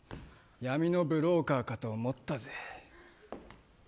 闇のブローカーかと思ったぜ。